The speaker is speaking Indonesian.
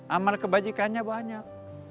amal kebajikannya banyak